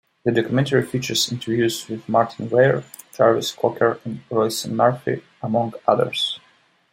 The documentary features interviews with Martyn Ware, Jarvis Cocker and Roisin Murphy, among others.